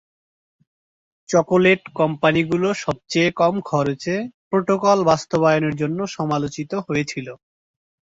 Chocolate কোম্পানিগুলো সবচেয়ে কম খরচে প্রোটোকল বাস্তবায়নের জন্য সমালোচিত হয়েছিল।